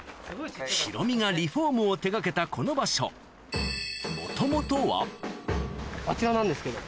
ヒロミがリフォームを手掛けたこの場所もともとはあちらなんですけど。